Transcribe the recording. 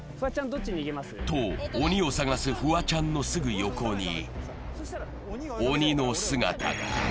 と、鬼を探すフワちゃんのすぐ横に鬼の姿が。